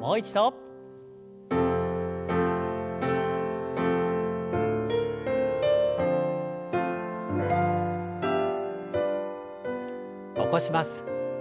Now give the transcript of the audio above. もう一度。起こします。